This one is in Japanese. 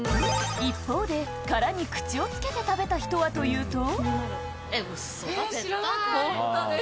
一方で、殻に口をつけて食べた人はというと。